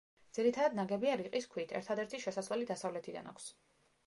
ძირითადად ნაგებია რიყის ქვით, ერთადერთი შესასვლელი დასავლეთიდან აქვს.